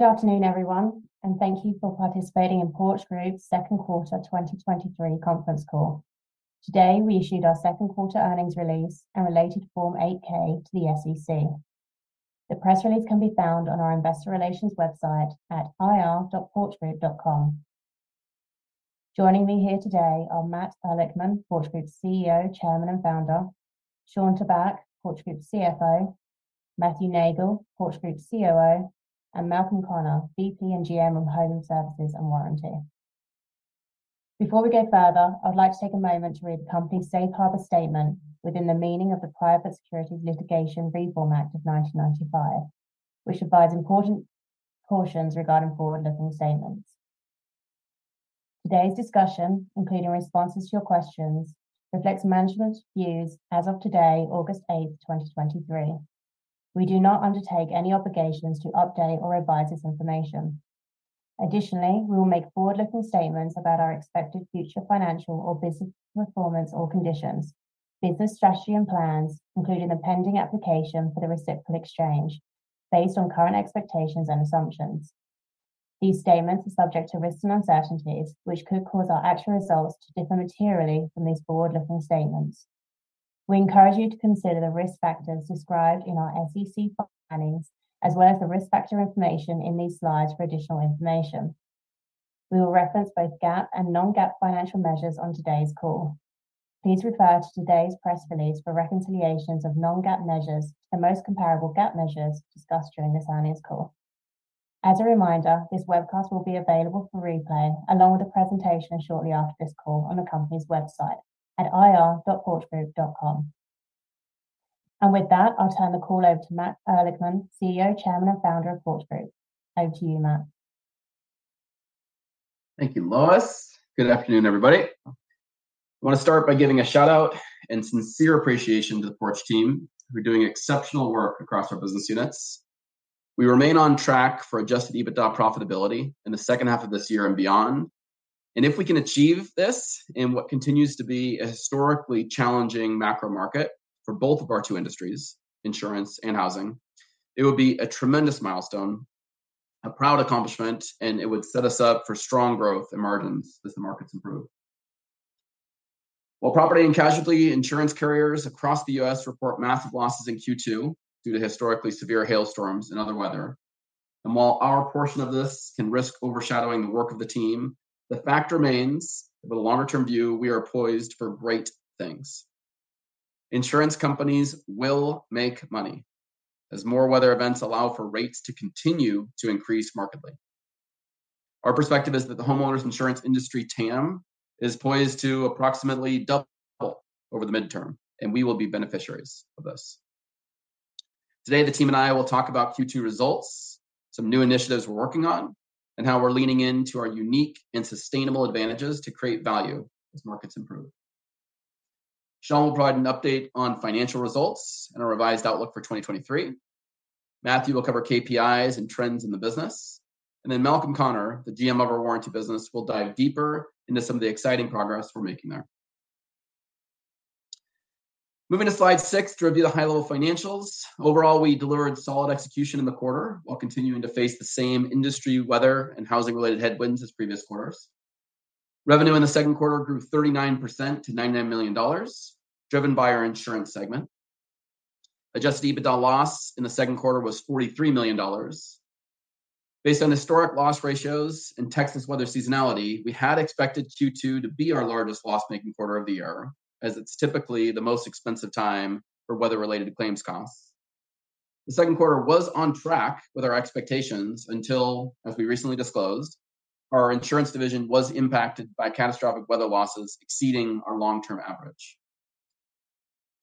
Good afternoon, everyone, and thank you for participating in Porch Group's second quarter 2023 conference call. Today, we issued our second quarter earnings release and related Form 8-K to the SEC. The press release can be found on our investor relations website at ir.porchgroup.com. Joining me here today are Matt Ehrlichman, Porch Group's CEO, Chairman, and Founder; Shawn Tabak, Porch Group's CFO; Matthew Neagle, Porch Group's COO; and Malcolm Conner, VP and GM of Home Services and Warranty. Before we go further, I'd like to take a moment to read the company's safe harbor statement within the meaning of the Private Securities Litigation Reform Act of 1995, which provides important cautions regarding forward-looking statements. Today's discussion, including responses to your questions, reflects management's views as of today, August 8, 2023. We do not undertake any obligations to update or revise this information. Additionally, we will make forward-looking statements about our expected future financial or business performance or conditions, business strategy, and plans, including the pending application for the reciprocal exchange, based on current expectations and assumptions. These statements are subject to risks and uncertainties, which could cause our actual results to differ materially from these forward-looking statements. We encourage you to consider the risk factors described in our SEC filings, as well as the risk factor information in these slides for additional information. We will reference both GAAP and non-GAAP financial measures on today's call. Please refer to today's press release for reconciliations of non-GAAP measures to the most comparable GAAP measures discussed during this earnings call. As a reminder, this webcast will be available for replay, along with the presentation shortly after this call on the company's website at ir.porchgroup.com. With that, I'll turn the call over to Matt Ehrlichman, CEO, Chairman, and Founder of Porch Group. Over to you, Matt. Thank you, Lois. Good afternoon, everybody. I wanna start by giving a shout-out and sincere appreciation to the Porch team, who are doing exceptional work across our business units. We remain on track for adjusted EBITDA profitability in the second half of this year and beyond, and if we can achieve this in what continues to be a historically challenging macro market for both of our two industries, insurance and housing, it will be a tremendous milestone, a proud accomplishment, and it would set us up for strong growth and margins as the markets improve. While property and casualty insurance carriers across the U.S. report massive losses in Q2 due to historically severe hailstorms and other weather, and while our portion of this can risk overshadowing the work of the team, the fact remains, with a longer term view, we are poised for great things. Insurance companies will make money as more weather events allow for rates to continue to increase markedly. Our perspective is that the homeowners' insurance industry TAM is poised to approximately double over the midterm, and we will be beneficiaries of this. Today, the team and I will talk about Q2 results, some new initiatives we're working on, and how we're leaning into our unique and sustainable advantages to create value as markets improve. Shawn will provide an update on financial results and a revised outlook for 2023. Matthew will cover KPIs and trends in the business. Then Malcolm Conner, the GM of our warranty business, will dive deeper into some of the exciting progress we're making there. Moving to slide six to review the high-level financials. Overall, we delivered solid execution in the quarter while continuing to face the same industry, weather, and housing-related headwinds as previous quarters. Revenue in the second quarter grew 39% to $99 million, driven by our insurance segment. Adjusted EBITDA loss in the second quarter was $43 million. Based on historic loss ratios and Texas weather seasonality, we had expected Q2 to be our largest loss-making quarter of the year, as it's typically the most expensive time for weather-related claims costs. The second quarter was on track with our expectations until, as we recently disclosed, our insurance division was impacted by catastrophic weather losses exceeding our long-term average.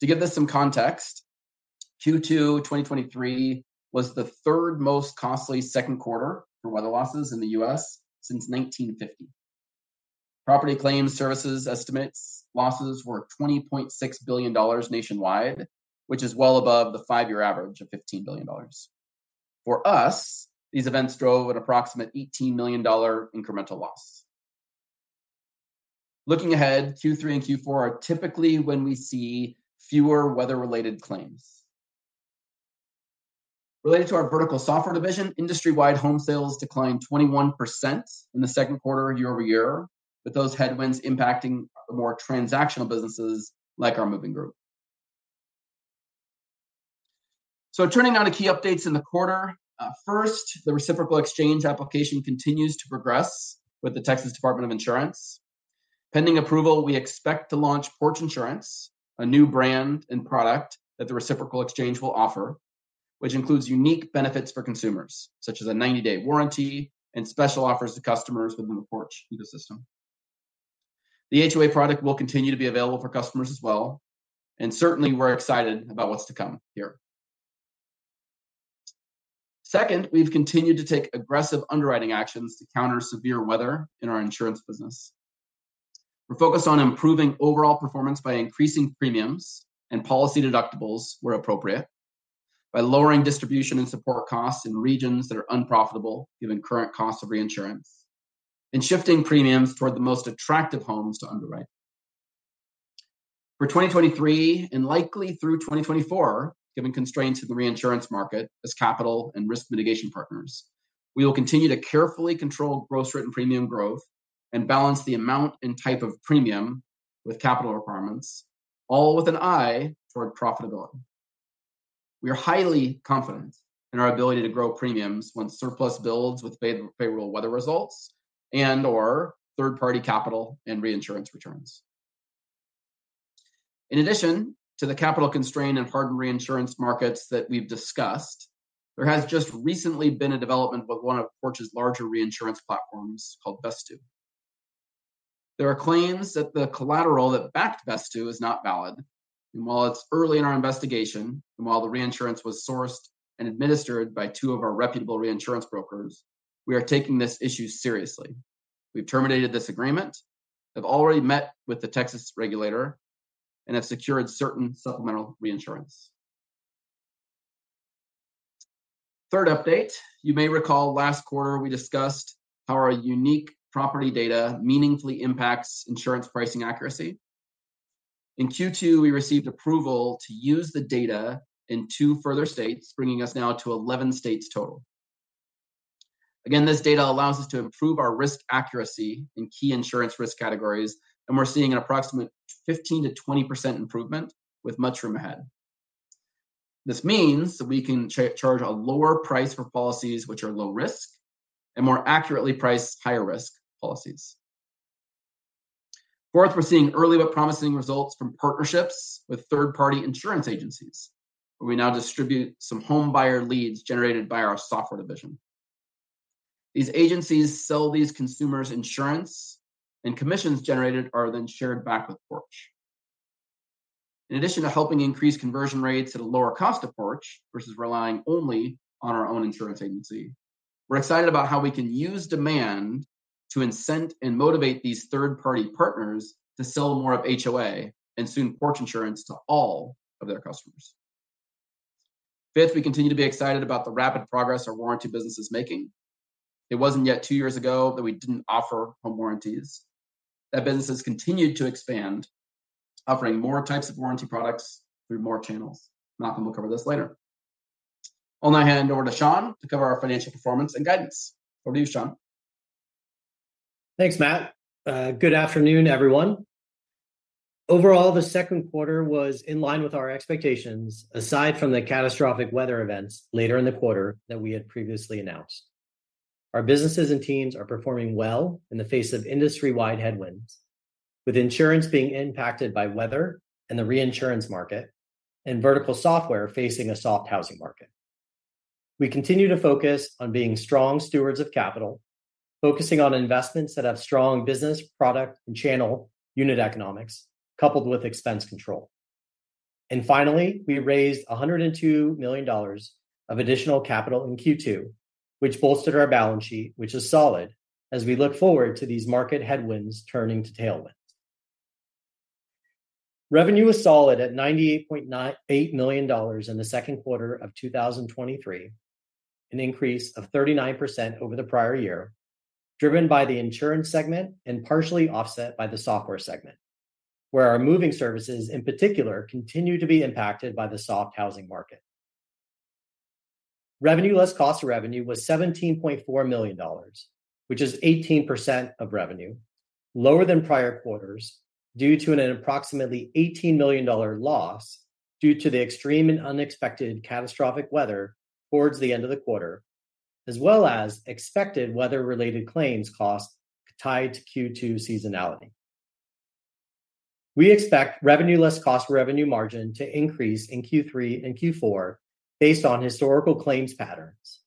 To give this some context, Q2 2023 was the third most costly second quarter for weather losses in the U.S. since 1950. Property Claim Services estimates losses were $20.6 billion nationwide, which is well above the 5-year average of $15 billion. For us, these events drove an approximate $18 million incremental loss. Looking ahead, Q3 and Q4 are typically when we see fewer weather-related claims. Related to our vertical software division, industry-wide home sales declined 21% in the second quarter year-over-year, with those headwinds impacting the more transactional businesses, like our moving group. Turning now to key updates in the quarter. First, the reciprocal exchange application continues to progress with the Texas Department of Insurance. Pending approval, we expect to launch Porch Insurance, a new brand and product that the reciprocal exchange will offer, which includes unique benefits for consumers, such as a 90-day warranty and special offers to customers within the Porch ecosystem. The HOA product will continue to be available for customers as well. Certainly, we're excited about what's to come here. Second, we've continued to take aggressive underwriting actions to counter severe weather in our insurance business. We're focused on improving overall performance by increasing premiums and policy deductibles where appropriate, by lowering distribution and support costs in regions that are unprofitable, given current costs of reinsurance, and shifting premiums toward the most attractive homes to underwrite. For 2023, and likely through 2024, given constraints in the reinsurance market as capital and risk mitigation partners, we will continue to carefully control gross written premium growth and balance the amount and type of premium with capital requirements, all with an eye toward profitability. We are highly confident in our ability to grow premiums when surplus builds with favorable weather results, and/or third-party capital and reinsurance returns. In addition to the capital constraint and hard reinsurance markets that we've discussed, there has just recently been a development with one of Porch's larger reinsurance platforms called Vesttoo. There are claims that the collateral that backed Vesttoo is not valid, and while it's early in our investigation, and while the reinsurance was sourced and administered by two of our reputable reinsurance brokers, we are taking this issue seriously. We've terminated this agreement, have already met with the Texas regulator, and have secured certain supplemental reinsurance. Third update. You may recall last quarter we discussed how our unique property data meaningfully impacts insurance pricing accuracy. In Q2, we received approval to use the data in two further states, bringing us now to 11 states total. Again, this data allows us to improve our risk accuracy in key insurance risk categories, and we're seeing an approximate 15%-20% improvement, with much room ahead. This means that we can charge a lower price for policies which are low risk, and more accurately price higher risk policies. Fourth, we're seeing early but promising results from partnerships with third-party insurance agencies, where we now distribute some home buyer leads generated by our software division. Commissions generated are then shared back with Porch. In addition to helping increase conversion rates at a lower cost of Porch, versus relying only on our own insurance agency, we're excited about how we can use demand to incent and motivate these third-party partners to sell more of HOA, and soon, Porch Insurance to all of their customers. Fifth, we continue to be excited about the rapid progress our warranty business is making. It wasn't yet two years ago that we didn't offer home warranties. That business has continued to expand, offering more types of warranty products through more channels. Malcolm will cover this later. I'll now hand over to Shawn to cover our financial performance and guidance. Over to you, Shawn. Thanks, Matt. Good afternoon, everyone. Overall, the second quarter was in line with our expectations, aside from the catastrophic weather events later in the quarter that we had previously announced. Our businesses and teams are performing well in the face of industry-wide headwinds, with insurance being impacted by weather and the reinsurance market, and vertical software facing a soft housing market. We continue to focus on being strong stewards of capital, focusing on investments that have strong business, product, and channel unit economics, coupled with expense control. Finally, we raised $102 million of additional capital in Q2, which bolstered our balance sheet, which is solid, as we look forward to these market headwinds turning to tailwinds. Revenue was solid at $98.8 million in the second quarter of 2023, an increase of 39% over the prior year, driven by the insurance segment and partially offset by the software segment, where our moving services, in particular, continue to be impacted by the soft housing market. Revenue less cost of revenue was $17.4 million, which is 18% of revenue, lower than prior quarters, due to an approximately $18 million loss, due to the extreme and unexpected catastrophic weather towards the end of the quarter, as well as expected weather-related claims costs tied to Q2 seasonality. We expect revenue less cost of revenue margin to increase in Q3 and Q4, based on historical claims patterns.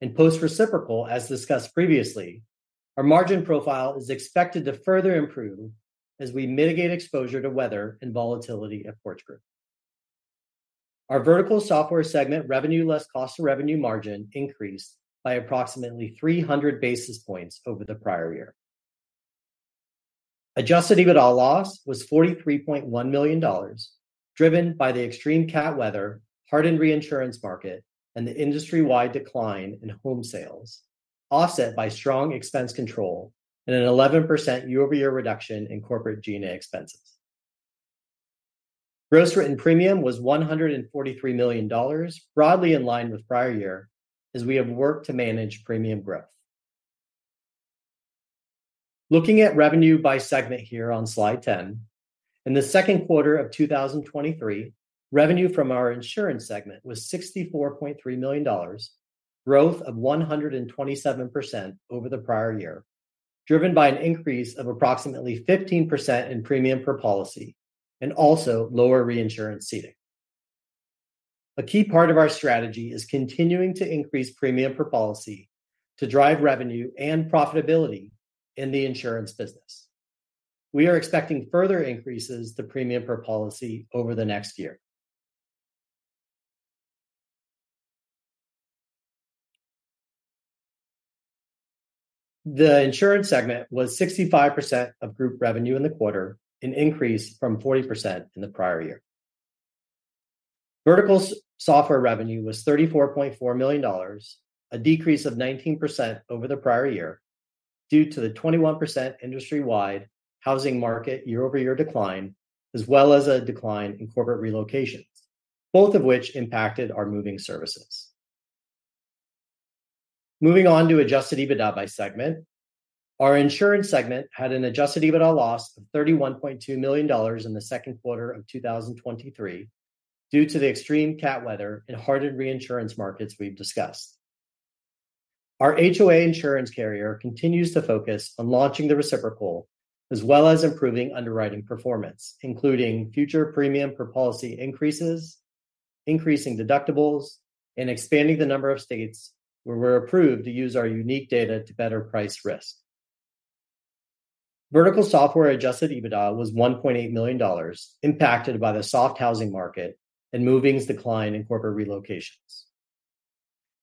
In post-reciprocal, as discussed previously, our margin profile is expected to further improve as we mitigate exposure to weather and volatility at Porch Group. Our vertical software segment revenue less cost of revenue margin increased by approximately 300 basis points over the prior year. Adjusted EBITDA loss was $43.1 million, driven by the extreme CAT weather, hardened reinsurance market, and the industry-wide decline in home sales, offset by strong expense control and an 11% year-over-year reduction in corporate G&A expenses. Gross written premium was $143 million, broadly in line with prior year, as we have worked to manage premium growth. Looking at revenue by segment here on slide 10, in the second quarter of 2023, revenue from our insurance segment was $64.3 million, growth of 127% over the prior year, driven by an increase of approximately 15% in premium per policy and also lower reinsurance ceding. A key part of our strategy is continuing to increase premium per policy to drive revenue and profitability in the insurance business. We are expecting further increases to premium per policy over the next year. The insurance segment was 65% of group revenue in the quarter, an increase from 40% in the prior year. Vertical's software revenue was $34.4 million, a decrease of 19% over the prior year, due to the 21% industry-wide housing market year-over-year decline, as well as a decline in corporate relocations, both of which impacted our moving services. Moving on to adjusted EBITDA by segment. Our insurance segment had an adjusted EBITDA loss of $31.2 million in the second quarter of 2023, due to the extreme CAT weather and hardened reinsurance markets we've discussed. Our HOA insurance carrier continues to focus on launching the reciprocal, as well as improving underwriting performance, including future premium per policy increases, increasing deductibles, and expanding the number of states where we're approved to use our unique data to better price risk. Vertical Software adjusted EBITDA was $1.8 million, impacted by the soft housing market and Moving's decline in corporate relocations.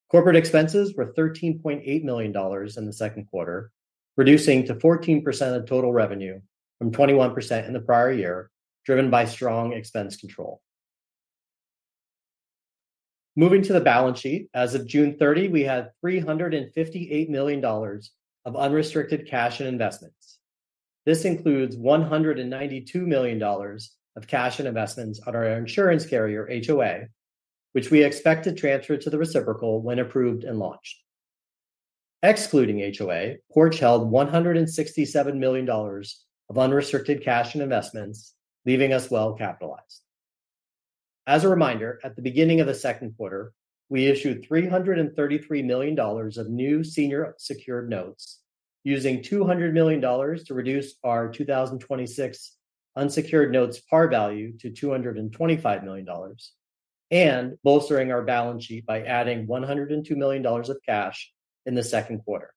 Corporate expenses were $13.8 million in the second quarter, reducing to 14% of total revenue from 21% in the prior year, driven by strong expense control. Moving to the balance sheet. As of June 30, we had $358 million of unrestricted cash and investments. This includes $192 million of cash and investments on our insurance carrier, HOA, which we expect to transfer to the reciprocal when approved and launched. Excluding HOA, Porch held $167 million of unrestricted cash and investments, leaving us well capitalized. As a reminder, at the beginning of the second quarter, we issued $333 million of new senior secured notes, using $200 million to reduce our 2026 unsecured notes par value to $225 million, and bolstering our balance sheet by adding $102 million of cash in the second quarter.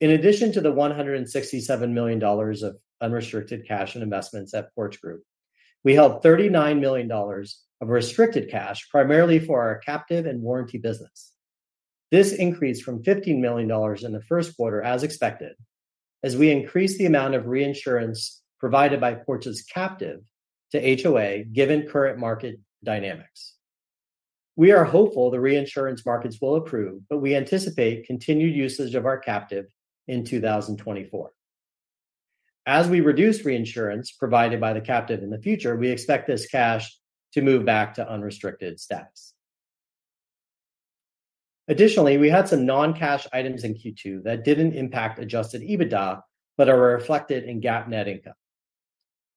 In addition to the $167 million of unrestricted cash and investments at Porch Group, we held $39 million of restricted cash, primarily for our captive and warranty business. This increased from $15 million in the first quarter, as expected, as we increased the amount of reinsurance provided by Porch's captive to HOA, given current market dynamics. We are hopeful the reinsurance markets will approve, but we anticipate continued usage of our captive in 2024. As we reduce reinsurance provided by the captive in the future, we expect this cash to move back to unrestricted status. Additionally, we had some non-cash items in Q2 that didn't impact adjusted EBITDA, but are reflected in GAAP net income.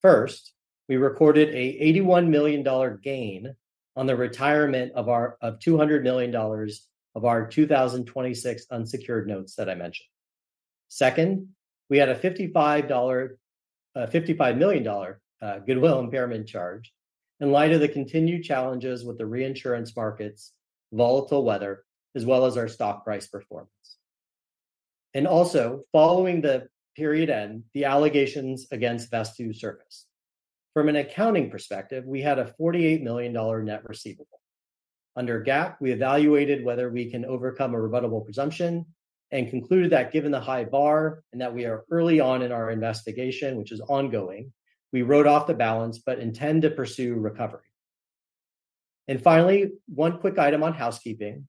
First, we recorded a $81 million gain on the retirement of $200 million of our 2026 unsecured notes that I mentioned. Second, we had a $55 million goodwill impairment charge in light of the continued challenges with the reinsurance markets, volatile weather, as well as our stock price performance. Also, following the period end, the allegations against Vesttoo surfaced. From an accounting perspective, we had a $48 million net receivable. Under GAAP, we evaluated whether we can overcome a rebuttable presumption and concluded that given the high bar and that we are early on in our investigation, which is ongoing, we wrote off the balance, but intend to pursue recovery. Finally, one quick item on housekeeping.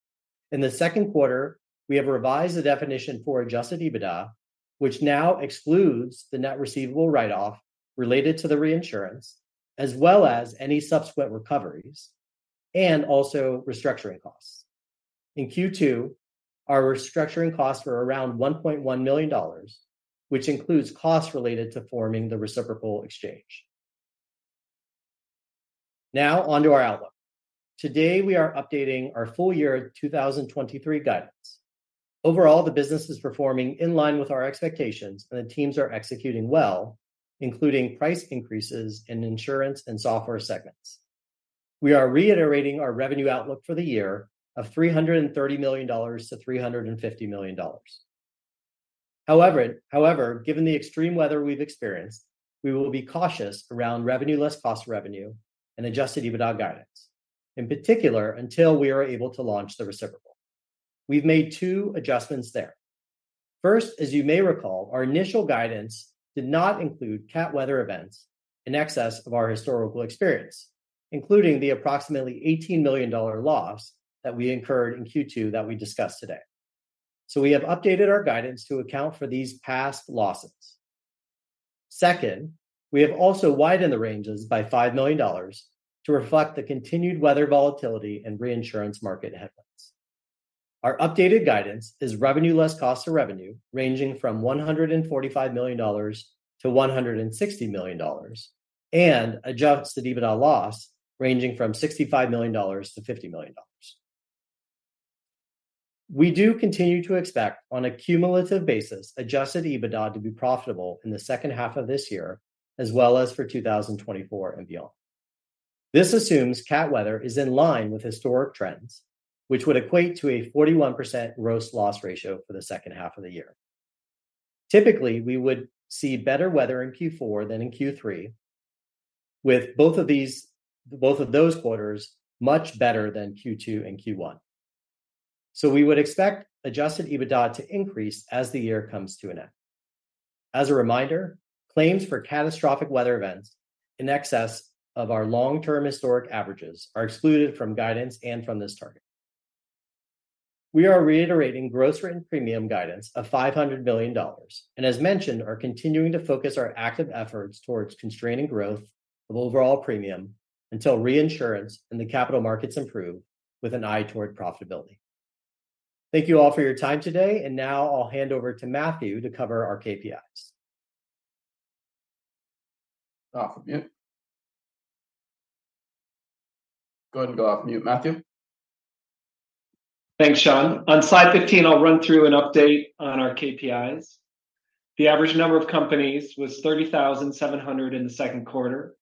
In the second quarter, we have revised the definition for adjusted EBITDA, which now excludes the net receivable write-off related to the reinsurance, as well as any subsequent recoveries, and also restructuring costs. In Q2, our restructuring costs were around $1.1 million, which includes costs related to forming the reciprocal exchange. Now, onto our outlook. Today, we are updating our full year 2023 guidance. Overall, the business is performing in line with our expectations, and the teams are executing well, including price increases in insurance and software segments. We are reiterating our revenue outlook for the year of $330 million-$350 million. However, given the extreme weather we've experienced, we will be cautious around revenue less cost of revenue and adjusted EBITDA guidance, in particular, until we are able to launch the reciprocal. We've made two adjustments there. First, as you may recall, our initial guidance did not include CAT weather events in excess of our historical experience, including the approximately $18 million loss that we incurred in Q2 that we discussed today. We have updated our guidance to account for these past losses. Second, we have also widened the ranges by $5 million to reflect the continued weather volatility and reinsurance market headwinds. Our updated guidance is revenue less cost of revenue, ranging from $145 million-$160 million, and adjusted EBITDA loss ranging from $65 million-$50 million. We do continue to expect, on a cumulative basis, adjusted EBITDA to be profitable in the second half of this year, as well as for 2024 and beyond. This assumes CAT weather is in line with historic trends, which would equate to a 41% Gross Loss Ratio for the second half of the year. Typically, we would see better weather in Q4 than in Q3, with both of those quarters much better than Q2 and Q1. We would expect adjusted EBITDA to increase as the year comes to an end. As a reminder, claims for catastrophic weather events in excess of our long-term historic averages are excluded from guidance and from this target. We are reiterating gross written premium guidance of $500 million, and as mentioned, are continuing to focus our active efforts towards constraining growth of overall premium until reinsurance and the capital markets improve, with an eye toward profitability. Thank you all for your time today. Now I'll hand over to Matthew to cover our KPIs. Off mute. Go ahead and go off mute, Matthew. Thanks, Shawn. On slide 15, I'll run through an update on our KPIs. The average number of companies was 30,700 in the second quarter,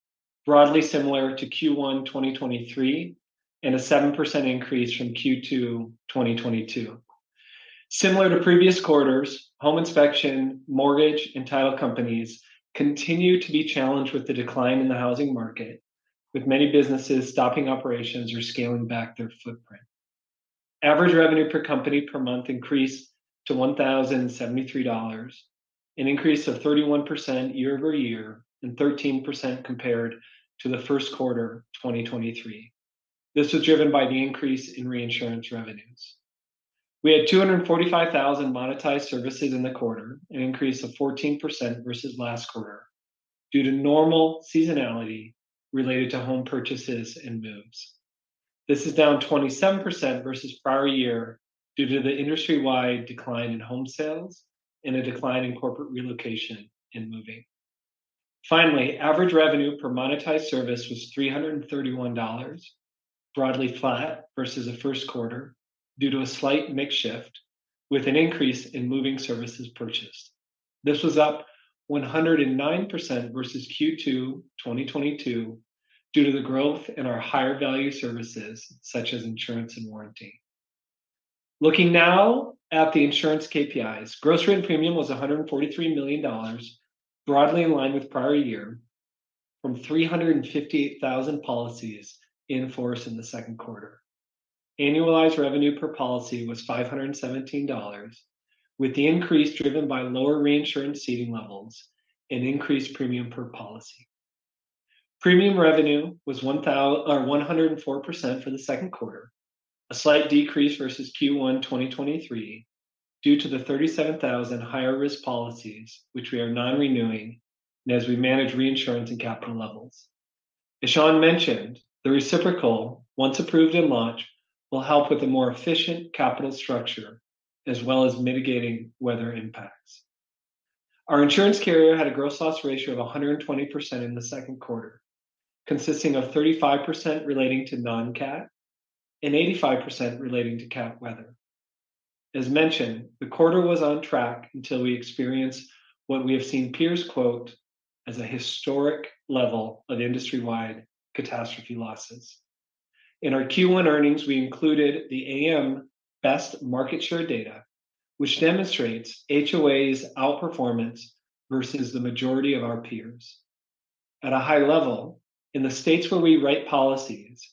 broadly similar to Q1 2023, and a 7% increase from Q2 2022. Similar to previous quarters, home inspection, mortgage, and title companies continue to be challenged with the decline in the housing market, with many businesses stopping operations or scaling back their footprint. Average revenue per company per month increased to $1,073, an increase of 31% year-over-year, and 13% compared to the first quarter 2023. This was driven by the increase in reinsurance revenues. We had 245,000 monetized services in the quarter, an increase of 14% versus last quarter due to normal seasonality related to home purchases and moves. This is down 27% versus prior year due to the industry-wide decline in home sales and a decline in corporate relocation and moving. Average revenue per monetized service was $331, broadly flat versus the first quarter, due to a slight mix shift with an increase in moving services purchased. This was up 109% versus Q2 2022, due to the growth in our higher value services, such as insurance and warranty. Looking now at the insurance KPIs, gross written premium was $143 million, broadly in line with prior year, from 358,000 policies in force in the second quarter. Annualized revenue per policy was $517, with the increase driven by lower reinsurance ceding levels and increased premium per policy. Premium revenue was 104% for the second quarter, a slight decrease versus Q1 2023, due to the 37,000 higher risk policies, which we are non-renewing, as we manage reinsurance and capital levels. As Shawn mentioned, the reciprocal, once approved and launched, will help with a more efficient capital structure, as well as mitigating weather impacts. Our insurance carrier had a Gross Loss Ratio of 120% in the second quarter, consisting of 35% relating to non-CAT and 85% relating to CAT weather. As mentioned, the quarter was on track until we experienced what we have seen peers quote as a historic level of industry-wide catastrophe losses. In our Q1 earnings, we included the AM Best market share data, which demonstrates HOA's outperformance versus the majority of our peers. At a high level, in the states where we write policies,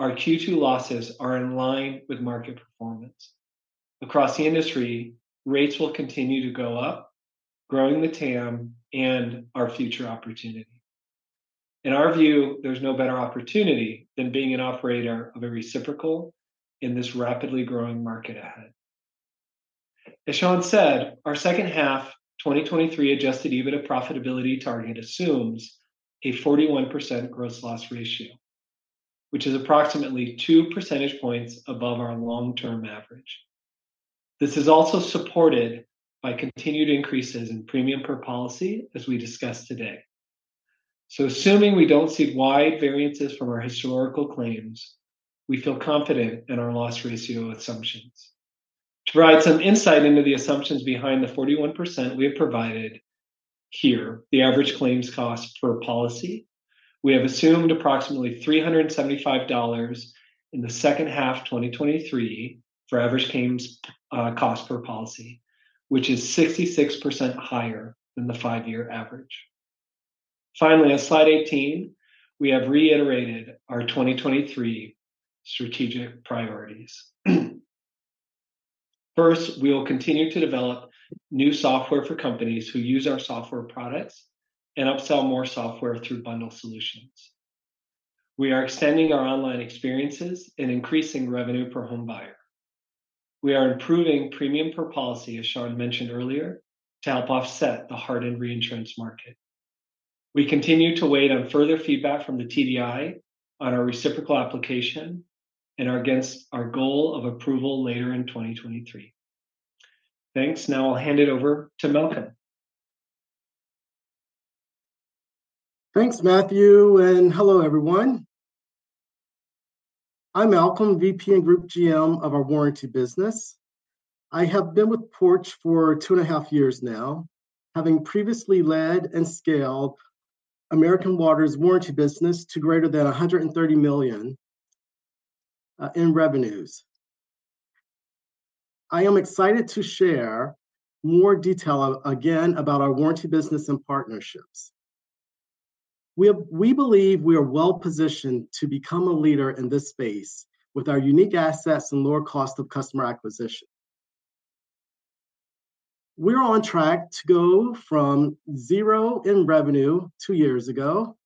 our Q2 losses are in line with market performance. Across the industry, rates will continue to go up, growing the TAM and our future opportunity. In our view, there's no better opportunity than being an operator of a reciprocal in this rapidly growing market ahead. As Shawn said, our second half 2023 adjusted EBITDA profitability target assumes a 41% Gross Loss Ratio, which is approximately 2 percentage points above our long-term average. This is also supported by continued increases in premium per policy, as we discussed today. Assuming we don't see wide variances from our historical claims, we feel confident in our loss ratio assumptions. To provide some insight into the assumptions behind the 41%, we have provided here the average claims cost per policy. We have assumed approximately $375 in the second half 2023 for average claims, cost per policy, which is 66% higher than the five-year average. Finally, on slide 18, we have reiterated our 2023 strategic priorities. First, we will continue to develop new software for companies who use our software products and upsell more software through bundle solutions. We are extending our online experiences and increasing revenue per home buyer. We are improving premium per policy, as Shawn mentioned earlier, to help offset the hardened reinsurance market. We continue to wait on further feedback from the TDI on our reciprocal application and are against our goal of approval later in 2023. Thanks. Now I'll hand it over to Malcolm. Thanks, Matthew. Hello, everyone. I'm Malcolm, VP and Group GM of our warranty business. I have been with Porch for 2.5 years now, having previously led and scaled American Water's warranty business to greater than $130 million in revenues. I am excited to share more detail again about our warranty business and partnerships. We believe we are well positioned to become a leader in this space with our unique assets and lower cost of customer acquisition. We're on track to go from zero in revenue two years ago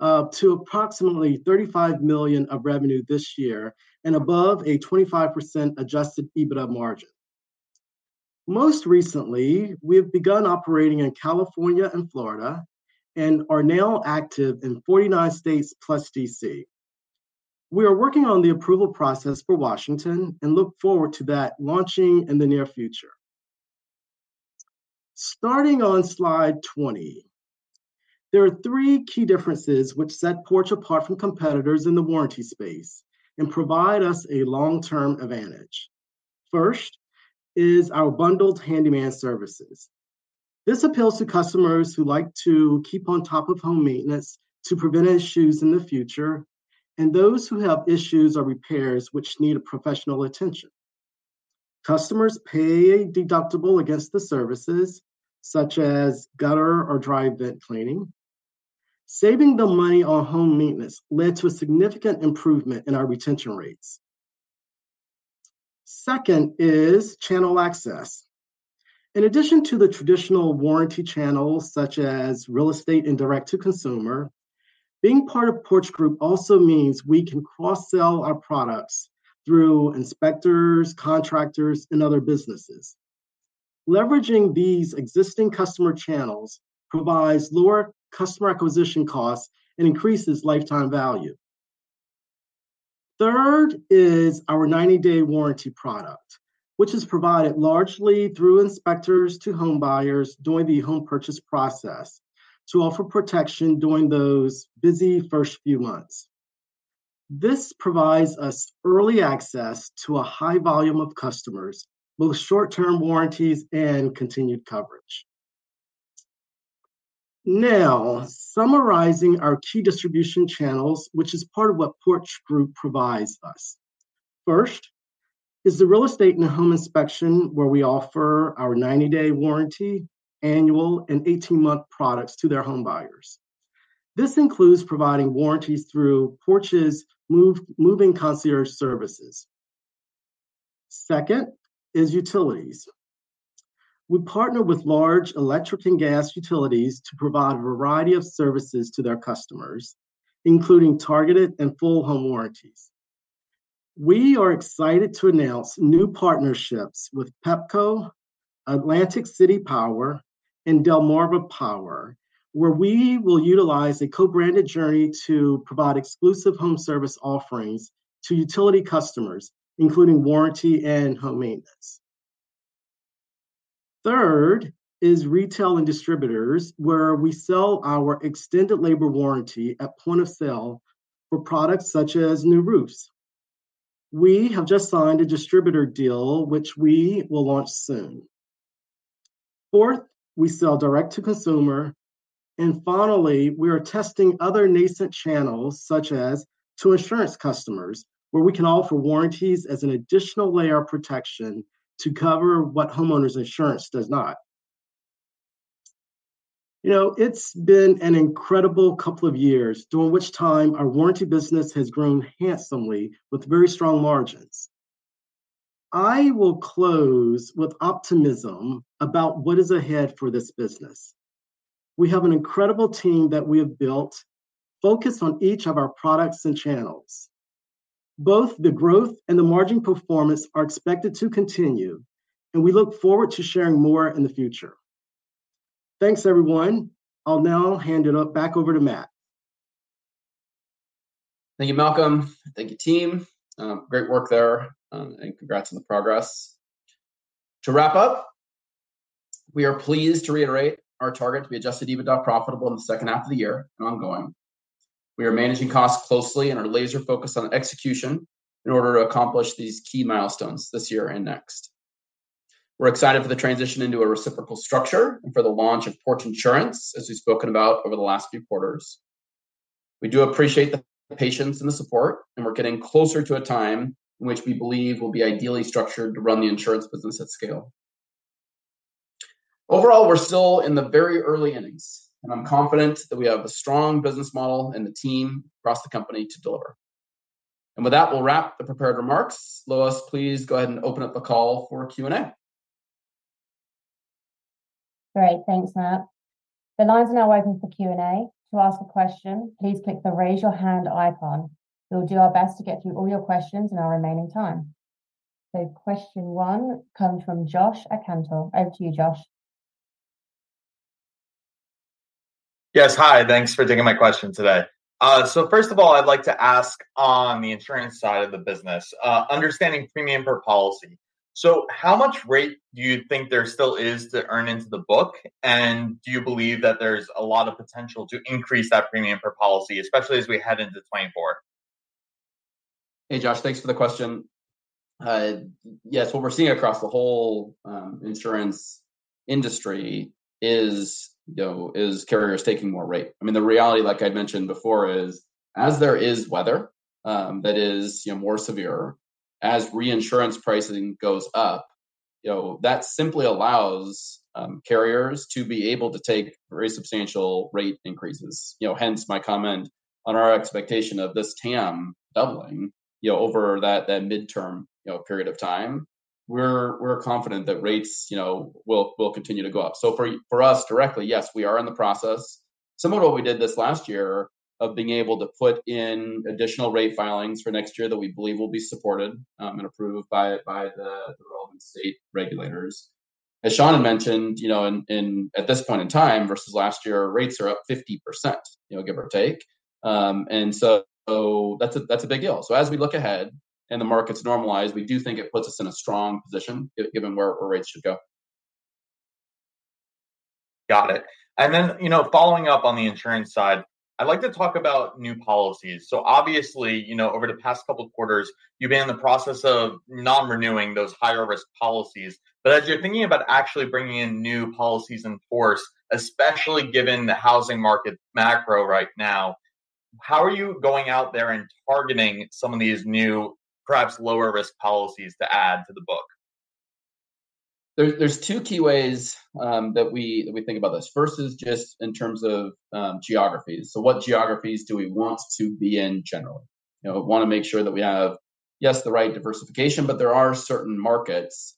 to approximately $35 million of revenue this year and above a 25% adjusted EBITDA margin. Most recently, we've begun operating in California and Florida and are now active in 49 states plus DC. We are working on the approval process for Washington and look forward to that launching in the near future. Starting on slide 20, there are three key differences which set Porch apart from competitors in the warranty space and provide us a long-term advantage. First is our bundled handyman services. This appeals to customers who like to keep on top of home maintenance to prevent issues in the future, and those who have issues or repairs which need a professional attention. Customers pay a deductible against the services, such as gutter or dry vent cleaning. Saving the money on home maintenance led to a significant improvement in our retention rates. Second is channel access. In addition to the traditional warranty channels, such as real estate and direct to consumer, being part of Porch Group also means we can cross-sell our products through inspectors, contractors, and other businesses. Leveraging these existing customer channels provides lower customer acquisition costs and increases lifetime value. Third is our 90-day warranty product, which is provided largely through inspectors to home buyers during the home purchase process, to offer protection during those busy first few months. This provides us early access to a high volume of customers, both short-term warranties and continued coverage. Summarizing our key distribution channels, which is part of what Porch Group provides us. First is the real estate and home inspection, where we offer our 90-day warranty, annual, and 18-month products to their home buyers. This includes providing warranties through Porch's move, move-in concierge services. Second is utilities. We partner with large electric and gas utilities to provide a variety of services to their customers, including targeted and full home warranties. We are excited to announce new partnerships with Pepco, Atlantic City Electric, and Delmarva Power, where we will utilize a co-branded journey to provide exclusive home service offerings to utility customers, including warranty and home maintenance. Third is retail and distributors, where we sell our extended labor warranty at point of sale for products such as new roofs. We have just signed a distributor deal, which we will launch soon. Fourth, we sell direct to consumer. Finally, we are testing other nascent channels, such as to insurance customers, where we can offer warranties as an additional layer of protection to cover what homeowners insurance does not. You know, it's been an incredible couple of years, during which time our warranty business has grown handsomely with very strong margins. I will close with optimism about what is ahead for this business. We have an incredible team that we have built, focused on each of our products and channels. Both the growth and the margin performance are expected to continue, and we look forward to sharing more in the future. Thanks, everyone. I'll now hand it up back over to Matt. Thank you, Malcolm. Thank you, team. great work there, and congrats on the progress. To wrap up, we are pleased to reiterate our target to be adjusted EBITDA profitable in the second half of the year and ongoing. We are managing costs closely and are laser focused on execution in order to accomplish these key milestones this year and next. We're excited for the transition into a reciprocal structure and for the launch of Porch Insurance, as we've spoken about over the last few quarters. We do appreciate the patience and the support, and we're getting closer to a time in which we believe will be ideally structured to run the insurance business at scale. Overall, we're still in the very early innings, and I'm confident that we have a strong business model and the team across the company to deliver. With that, we'll wrap the prepared remarks. Lois, please go ahead and open up the call for Q&A. Great. Thanks, Matt. The lines are now open for Q&A. To ask a question, please click the Raise Your Hand icon. We'll do our best to get through all your questions in our remaining time. Question one comes from Josh [Acanto]. Over to you, Josh. Yes, hi. Thanks for taking my question today. First of all, I'd like to ask on the insurance side of the business, understanding premium per policy. How much rate do you think there still is to earn into the book? Do you believe that there's a lot of potential to increase that premium per policy, especially as we head into 2024? Hey, Josh, thanks for the question. Yes, what we're seeing across the whole insurance industry is, you know, is carriers taking more rate. I mean, the reality, like I mentioned before, is as there is weather that is, you know, more severe, as reinsurance pricing goes up, you know, that simply allows carriers to be able to take very substantial rate increases. You know, hence my comment on our expectation of this TAM doubling, you know, over that, that midterm, you know, period of time. We're confident that rates, you know, will continue to go up. For, for us directly, yes, we are in the process, similar to what we did this last year, of being able to put in additional rate filings for next year that we believe will be supported and approved by the relevant state regulators. As Shawn mentioned, you know, and at this point in time versus last year, our rates are up 50%, you know, give or take. That's a, that's a big deal. As we look ahead and the markets normalize, we do think it puts us in a strong position given where our rates should go. Got it. Then, you know, following up on the insurance side, I'd like to talk about new policies. Obviously, you know, over the past couple quarters, you've been in the process of non-renewing those higher risk policies, but as you're thinking about actually bringing in new Policies in Force, especially given the housing market macro right now, how are you going out there and targeting some of these new, perhaps lower risk policies to add to the book? There, there's two key ways that we, that we think about this. First is just in terms of geographies. What geographies do we want to be in generally? You know, we wanna make sure that we have, yes, the right diversification, but there are certain markets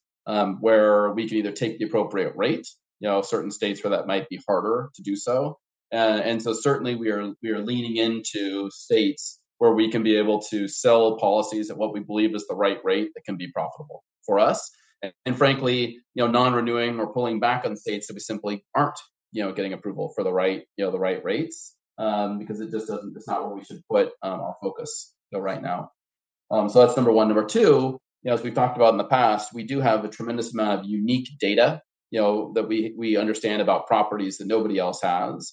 where we can either take the appropriate rate, you know, certain states where that might be harder to do so. Certainly we are, we are leaning into states where we can be able to sell policies at what we believe is the right rate that can be profitable for us. Frankly, you know, non-renewing or pulling back on states that we simply aren't, you know, getting approval for the right, you know, the right rates, because it just doesn't. It's not where we should put our focus, you know, right now. So that's number 1. Number 2, you know, as we've talked about in the past, we do have a tremendous amount of unique data, you know, that we, we understand about properties that nobody else has.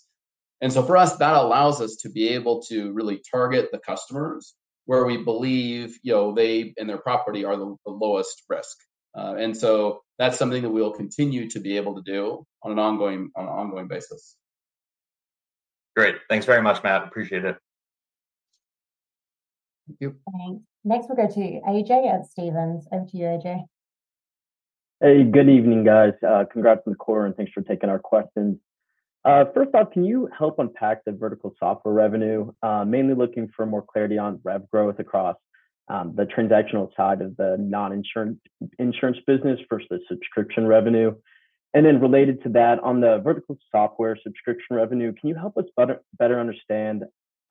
For us, that allows us to be able to really target the customers where we believe, you know, they and their property are the, the lowest risk. That's something that we will continue to be able to do on an ongoing, on an ongoing basis. Great. Thanks very much, Matt. Appreciate it. Thank you. Thanks. Next, we'll go to AJ at Stephens. Over to you, AJ. Hey, good evening, guys. congrats on the quarter, and thanks for taking our questions. First off, can you help unpack the vertical software revenue? Mainly looking for more clarity on rev growth across the transactional side of the non-insurance, insurance business versus subscription revenue. Related to that, on the vertical software subscription revenue, can you help us better, better understand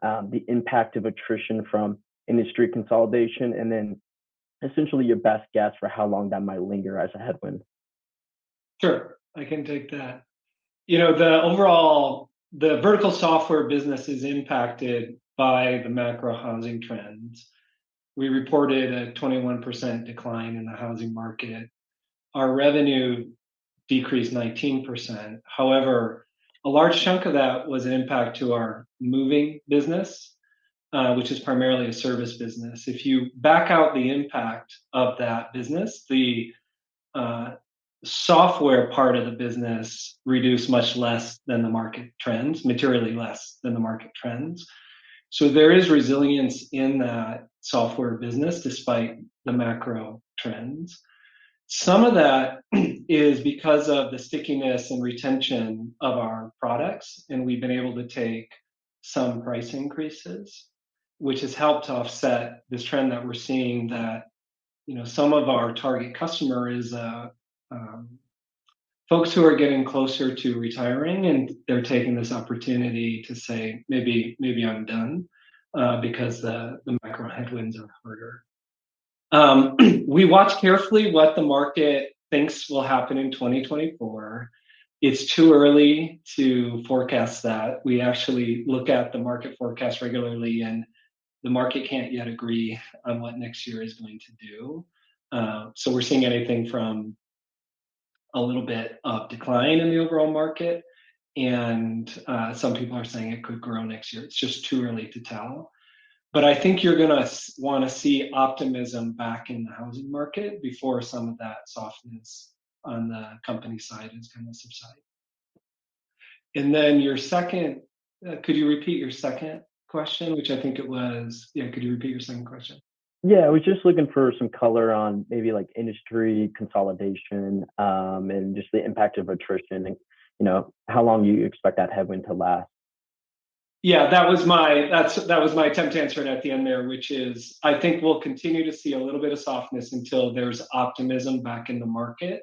the impact of attrition from industry consolidation? Essentially your best guess for how long that might linger as a headwind? Sure, I can take that. You know, the overall... The vertical software business is impacted by the macro housing trends. We reported a 21% decline in the housing market. Our revenue decreased 19%. However, a large chunk of that was an impact to our moving business, which is primarily a service business. If you back out the impact of that business, the software part of the business reduced much less than the market trends, materially less than the market trends. There is resilience in that software business despite the macro trends. Some of that is because of the stickiness and retention of our products, and we've been able to take some price increases, which has helped to offset this trend that we're seeing that, you know, some of our target customer is folks who are getting closer to retiring, and they're taking this opportunity to say, "Maybe, maybe I'm done," because the, the macro headwinds are harder. We watch carefully what the market thinks will happen in 2024. It's too early to forecast that. We actually look at the market forecast regularly, and the market can't yet agree on what next year is going to do. We're seeing anything from a little bit of decline in the overall market, some people are saying it could grow next year. It's just too early to tell. I think you're gonna wanna see optimism back in the housing market before some of that softness on the company side is gonna subside. Your second, could you repeat your second question, which I think it was... Yeah, could you repeat your second question? Yeah, I was just looking for some color on maybe, like, industry consolidation, and just the impact of attrition and, you know, how long you expect that headwind to last. Yeah, that was my attempt to answer it at the end there, which is, I think we'll continue to see a little bit of softness until there's optimism back in the market.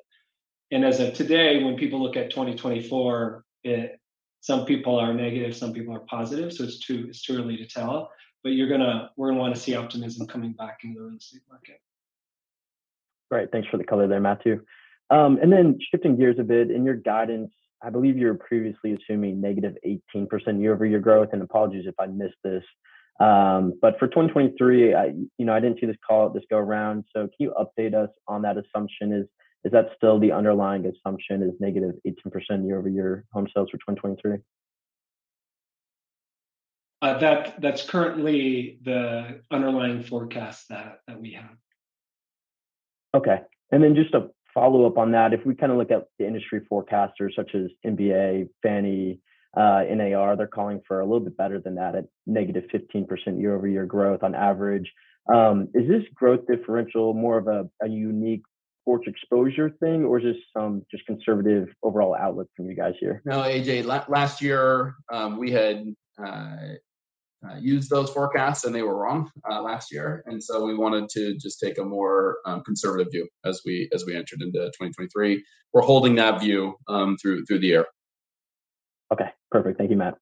As of today, when people look at 2024, some people are negative, some people are positive, so it's too, it's too early to tell. We're gonna wanna see optimism coming back in the real estate market. Great, thanks for the color there, Matthew. Shifting gears a bit, in your guidance, I believe you were previously assuming negative 18% year-over-year growth, and apologies if I missed this. For 2023, I, you know, I didn't see this call, this go around, so can you update us on that assumption? Is that still the underlying assumption, is negative 18% year-over-year home sales for 2023? That's currently the underlying forecast that we have. Okay. Then just a follow-up on that, if we kind of look at the industry forecasters such as MBA, Fannie, NAR, they're calling for a little bit better than that, at negative 15% year-over-year growth on average. Is this growth differential more of a, a unique Porch exposure thing or just some just conservative overall outlook from you guys here? No, AJ, last year, we had used those forecasts, and they were wrong, last year. So we wanted to just take a more conservative view as we, as we entered into 2023. We're holding that view through, through the year. Okay, perfect. Thank you, Matt.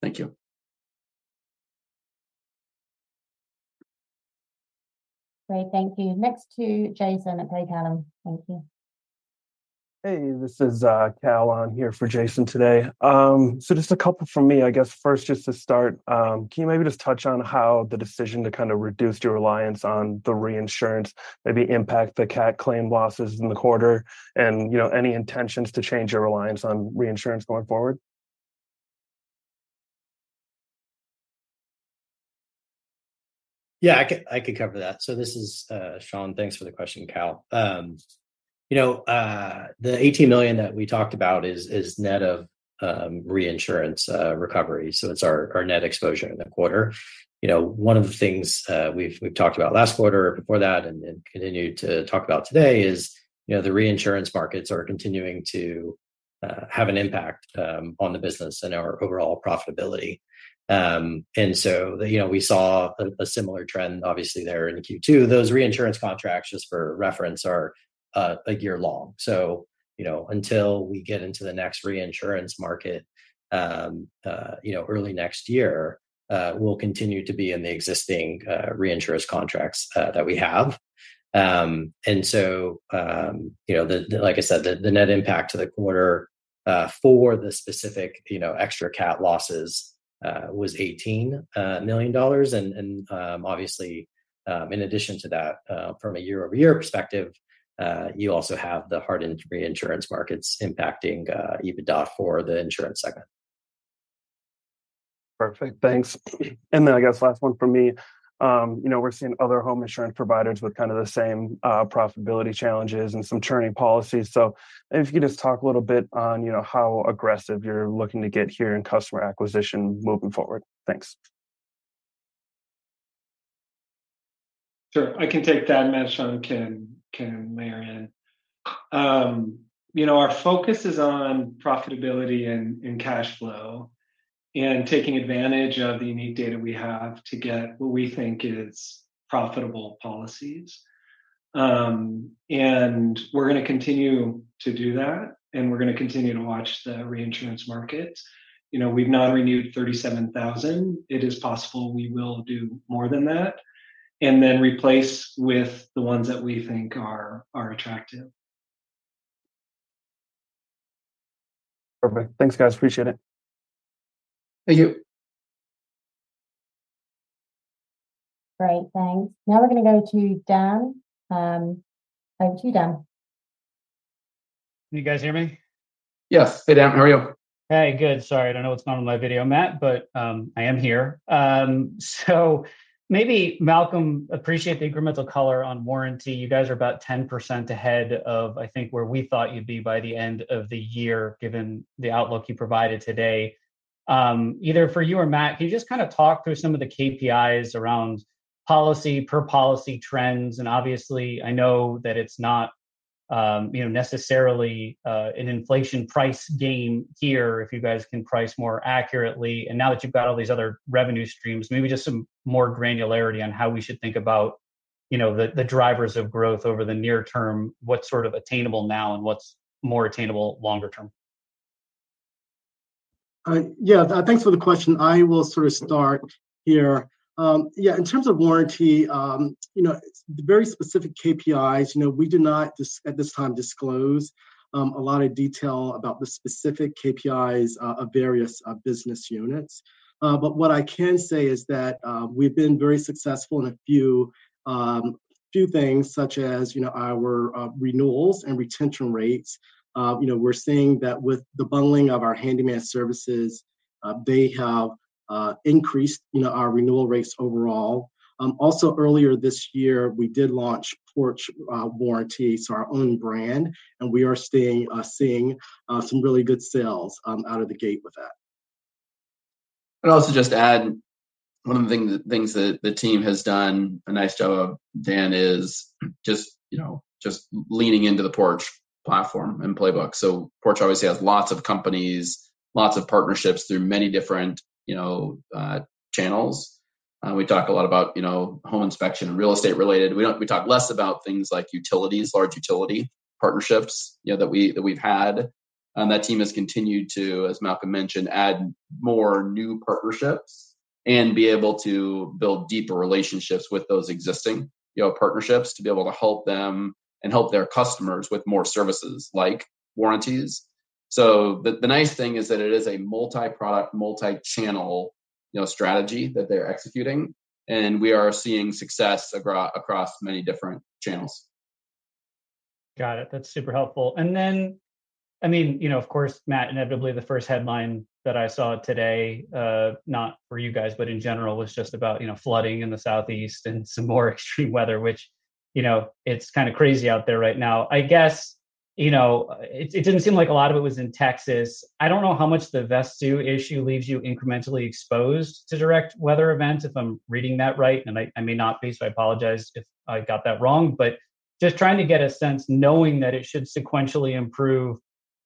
Thank you. Great, thank you. Next to Jason Kreyer at Craig-Hallum. Thank you. Hey, this is Cal on here for Jason today. Just a couple from me. I guess first, just to start, can you maybe just touch on how the decision to kind of reduce your reliance on the reinsurance maybe impact the CAT claim losses in the quarter? You know, any intentions to change your reliance on reinsurance going forward? Yeah, I could, I could cover that. This is Shawn. Thanks for the question, Cal. You know, the $18 million that we talked about is net of reinsurance recovery, so it's our net exposure in the quarter. You know, one of the things we've talked about last quarter, before that, continue to talk about today is, you know, the reinsurance markets are continuing to have an impact on the business and our overall profitability. You know, we saw a similar trend obviously there in Q2. Those reinsurance contracts, just for reference, are a year long. You know, until we get into the next reinsurance market, you know, early next year, we'll continue to be in the existing reinsurance contracts that we have. You know, the, the, like I said, the, the net impact to the quarter, for the specific, you know, extra CAT losses, was $18 million. Obviously, in addition to that, from a year-over-year perspective, you also have the hard reinsurance markets impacting EBITDA for the insurance segment. Perfect, thanks. I guess last one from me. You know, we're seeing other home insurance providers with kind of the same profitability challenges and some churning policies. So if you could just talk a little bit on, you know, how aggressive you're looking to get here in customer acquisition moving forward. Thanks. Sure. I can take that, and then Shawn can, can layer in. You know, our focus is on profitability and, and cash flow, and taking advantage of the unique data we have to get what we think is profitable policies. We're gonna continue to do that, and we're gonna continue to watch the reinsurance market. You know, we've non-renewed 37,000. It is possible we will do more than that, and then replace with the ones that we think are, are attractive. Perfect. Thanks, guys, appreciate it. Thank you. Great, thanks. Now we're gonna go to Dan. Over to you, Dan. Can you guys hear me? Yes. Hey, Dan, how are you? Hey, good. Sorry, I don't know what's going on with my video, Matt, but I am here. Maybe Malcolm, appreciate the incremental color on warranty. You guys are about 10% ahead of, I think, where we thought you'd be by the end of the year, given the outlook you provided today. Either for you or Matt, can you just kind of talk through some of the KPIs around policy, per policy trends? Obviously, I know that it's not, you know, necessarily an inflation price game here, if you guys can price more accurately. Now that you've got all these other revenue streams, maybe just some more granularity on how we should think about, you know, the, the drivers of growth over the near term. What's sort of attainable now, and what's more attainable longer term? Yeah, thanks for the question. I will sort of start here. Yeah, in terms of warranty, you know, the very specific KPIs, you know, we do not at this time disclose a lot of detail about the specific KPIs of various business units. What I can say is that we've been very successful in a few few things, such as, you know, our renewals and retention rates. You know, we're seeing that with the bundling of our handyman services, they have increased, you know, our renewal rates overall. Also earlier this year, we did launch Porch Warranty, so our own brand, and we are seeing some really good sales out of the gate with that. Also just to add, one of the thing, things that the team has done a nice job of, Dan, is just, you know, just leaning into the Porch platform and playbook. Porch obviously has lots of companies, lots of partnerships through many different, you know, channels. We talk a lot about, you know, home inspection and real estate related. We don't, we talk less about things like utilities, large utility partnerships, you know, that we, that we've had. That team has continued to, as Malcolm mentioned, add more new partnerships and be able to build deeper relationships with those existing, you know, partnerships, to be able to help them and help their customers with more services, like warranties. The nice thing is that it is a multi-product, multi-channel, you know, strategy that they're executing, and we are seeing success across many different channels. Got it. That's super helpful. Then, I mean, you know, of course, Matt, inevitably the first headline that I saw today, not for you guys, but in general, was just about, you know, flooding in the southeast and some more extreme weather, which, you know, it's kind of crazy out there right now. I guess you know, it, it didn't seem like a lot of it was in Texas. I don't know how much the Vesttoo issue leaves you incrementally exposed to direct weather events, if I'm reading that right, and I, I may not be, so I apologize if I got that wrong. Just trying to get a sense, knowing that it should sequentially improve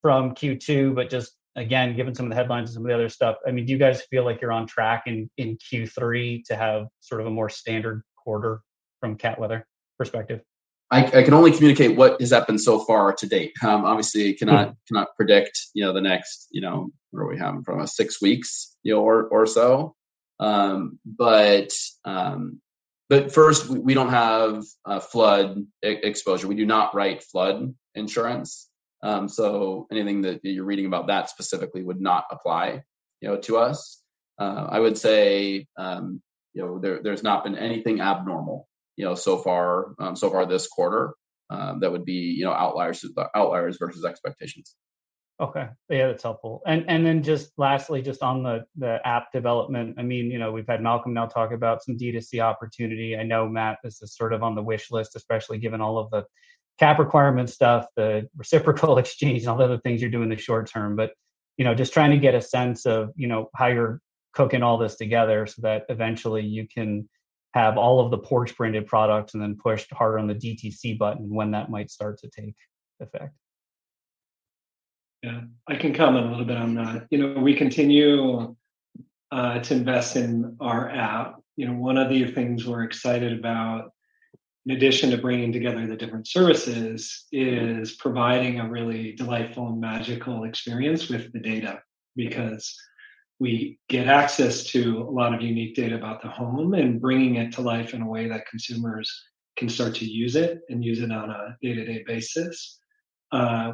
from Q2, but just again, given some of the headlines and some of the other stuff, I mean, do you guys feel like you're on track in, in Q3 to have sort of a more standard quarter from CAT weather perspective? I, I can only communicate what has happened so far to date. obviously, cannot predict, you know, the next, you know, what do we have in front of us? Six weeks, you know, or, or so. But first, we, we don't have a flood exposure. We do not write flood insurance. Anything that, that you're reading about that specifically would not apply, you know, to us. I would say, you know, there, there's not been anything abnormal, you know, so far, so far this quarter, that would be, you know, outliers, outliers versus expectations. Okay. Yeah, that's helpful. Then just lastly, just on the, the app development. I mean, you know, we've had Malcolm now talk about some D2C opportunity. I know, Matt, this is sort of on the wish list, especially given all of the cap requirement stuff, the reciprocal exchange, all the other things you're doing in the short term. You know, just trying to get a sense of, you know, how you're cooking all this together, so that eventually you can have all of the Porch-branded products and then push harder on the DTC button, when that might start to take effect. Yeah, I can comment a little bit on that. You know, we continue to invest in our app. You know, one of the things we're excited about, in addition to bringing together the different services, is providing a really delightful and magical experience with the data. Because we get access to a lot of unique data about the home, and bringing it to life in a way that consumers can start to use it, and use it on a day-to-day basis,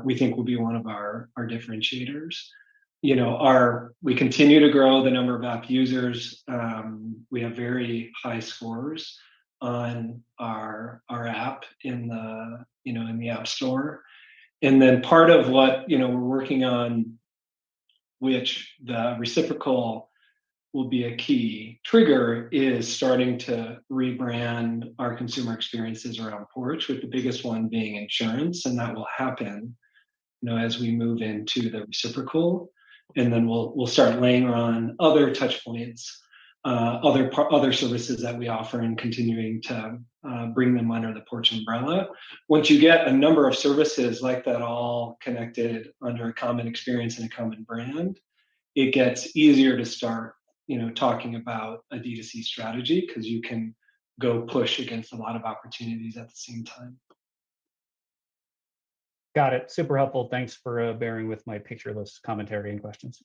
we think will be one of our, our differentiators. You know, our... We continue to grow the number of app users. We have very high scores on our, our app in the, you know, in the App Store. Part of what, you know, we're working on, which the reciprocal will be a key trigger, is starting to rebrand our consumer experiences around Porch, with the biggest one being insurance, and that will happen, you know, as we move into the reciprocal. We'll, we'll start laying on other touch points, other services that we offer, and continuing to bring them under the Porch umbrella. Once you get a number of services like that, all connected under a common experience and a common brand, it gets easier to start, you know, talking about a D2C strategy, 'cause you can go push against a lot of opportunities at the same time. Got it. Super helpful. Thanks for bearing with my picture-less commentary and questions.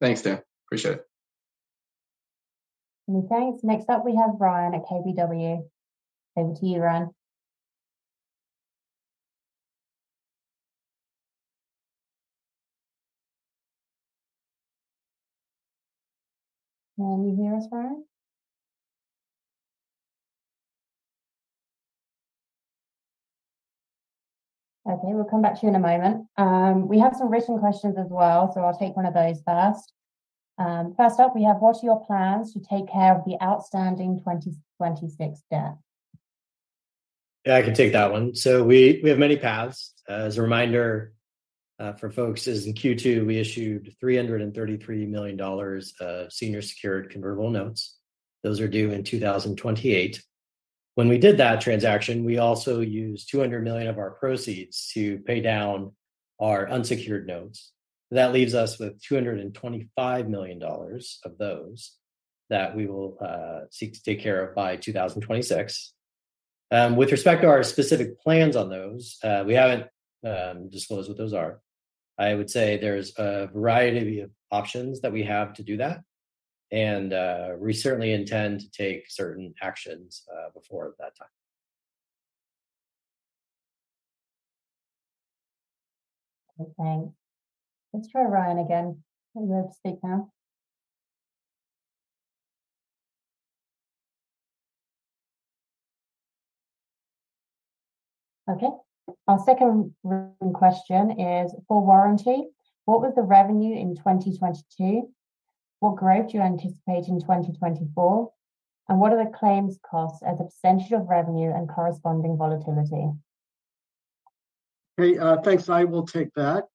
Thanks, Dan. Appreciate it. Okay, thanks. Next up, we have Ryan at KBW. Over to you, Ryan. Can you hear us, Ryan? Okay, we'll come back to you in a moment. We have some written questions as well, so I'll take one of those first. First up, we have, what are your plans to take care of the outstanding 2026 debt? Yeah, I can take that one. We, we have many paths. As a reminder, for folks, is in Q2, we issued $333 million of senior secured convertible notes. Those are due in 2028. When we did that transaction, we also used $200 million of our proceeds to pay down our unsecured notes. That leaves us with $225 million of those, that we will seek to take care of by 2026. With respect to our specific plans on those, we haven't disclosed what those are. I would say there's a variety of options that we have to do that, and we certainly intend to take certain actions before that time. Okay. Let's try Ryan again. You want to speak now? Okay. Our second question is, for warranty, what was the revenue in 2022? What growth do you anticipate in 2024, and what are the claims costs as a percent of revenue and corresponding volatility? Hey, thanks, I will take that.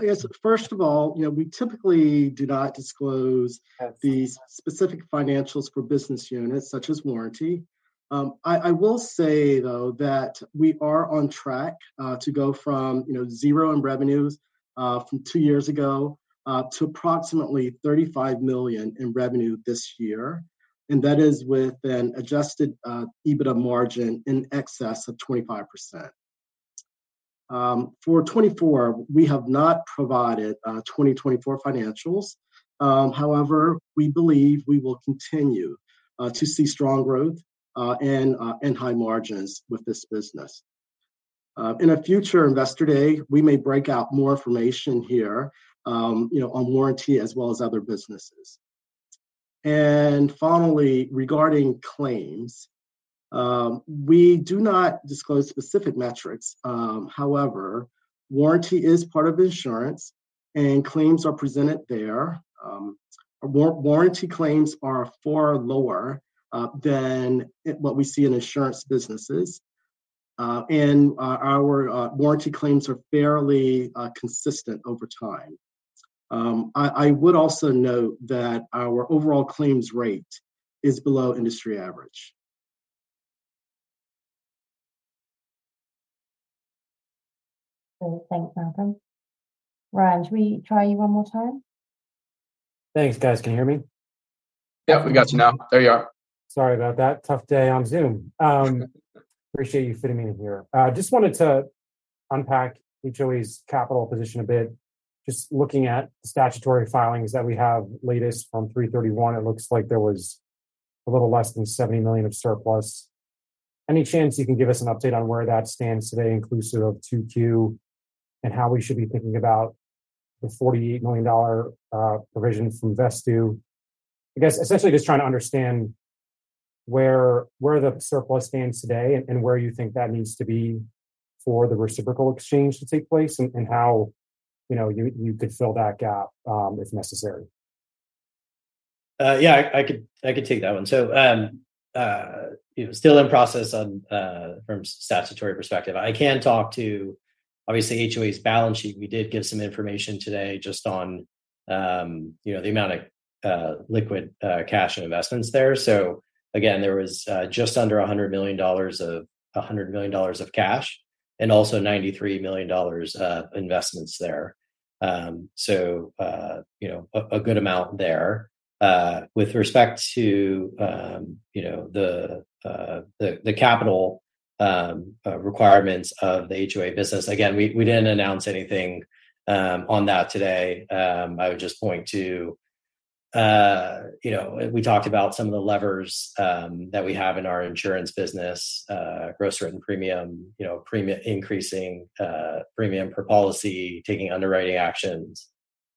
Yes, first of all, you know, we typically do not disclose the specific financials for business units, such as warranty. I, I will say, though, that we are on track to go from, you know, zero in revenues, from two years ago, to approximately $35 million in revenue this year, and that is with an adjusted EBITDA margin in excess of 25%. For 2024, we have not provided 2024 financials. However, we believe we will continue to see strong growth, and high margins with this business. In a future Investor Day, we may break out more information here, you know, on warranty as well as other businesses. Finally, regarding claims, we do not disclose specific metrics. However, warranty is part of insurance, and claims are presented there. Warranty claims are far lower than what we see in insurance businesses. Our warranty claims are fairly consistent over time. I would also note that our overall claims rate is below industry average. Well, thanks, Malcolm. Ryan, should we try you one more time? Thanks, guys. Can you hear me? Yep, we got you now. There you are. Sorry about that. Tough day on Zoom. Appreciate you fitting me in here. I just wanted to unpack HOA's capital position a bit. Just looking at statutory filings that we have, latest from 3/31, it looks like there was a little less than $70 million of surplus. Any chance you can give us an update on where that stands today, inclusive of Q2, and how we should be thinking about the $48 million provision from Vesttoo? I guess, essentially just trying to understand where, where the surplus stands today, and, and where you think that needs to be for the reciprocal exchange to take place, and, and how, you know, you, you could fill that gap, if necessary. Yeah, I, I could, I could take that one. It's still in process on, from statutory perspective. I can talk to, obviously, HOA's balance sheet. We did give some information today just on, you know, the amount of, liquid, cash and investments there. Again, there was, just under $100 million of... $100 million of cash, and also $93 million of investments there. You know, a, a good amount there. With respect to, you know, the, the, the capital, requirements of the HOA business, again, we, we didn't announce anything, on that today. I would just point to, you know... We talked about some of the levers that we have in our insurance business, gross written premium, you know, increasing premium per policy, taking underwriting actions,